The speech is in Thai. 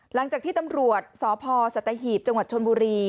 หลังจากที่ตำรวจสพสัตหีบจังหวัดชนบุรี